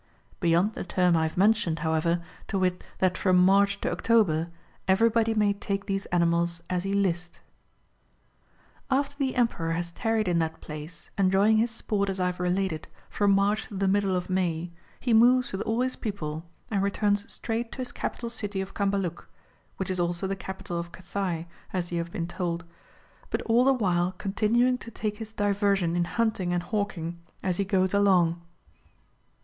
Beyond the term I have mentioned, how ever, to wit that from March to October, everybody may take these animals as he list.*^ After the Emperor has tarried in that place, enjoying his sport as I have related, from March to the middle of May, he moves with all his people, and returns straight to his capital city of Cambaluc (which is also the capital of Cathay, as you have been told), but all the while con tinuing to take his diversion in lulIUin^ and ha\v■kin^■ as he goes along.